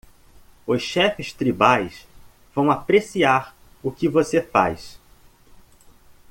Os chefes tribais vão apreciar o que você faz.